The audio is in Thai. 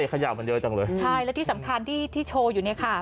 ขยะมันเยอะจังเลยใช่และที่สำคัญที่ที่โชว์อยู่เนี่ยค่ะ